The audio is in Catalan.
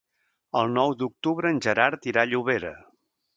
El nou d'octubre en Gerard irà a Llobera.